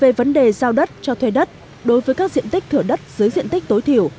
về vấn đề giao đất cho thuê đất đối với các diện tích thửa đất dưới diện tích tối thiểu